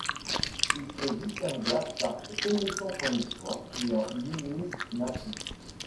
Il se distingua par ses connaissances en histoire et en numismatique.